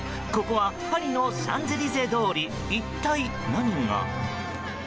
ここはパリのシャンゼリゼ通り一体、何が？